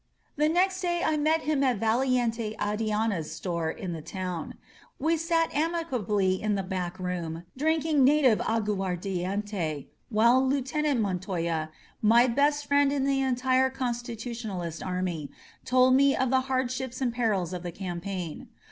The next day I met him at Valiente Adiana's store' in the town. We sat amicably in the back room drink ing native agtiardiente, while Lieutenant Montoya, my best friend in the entire Constitutionalist army, told me of the hardships and perils of the campaign.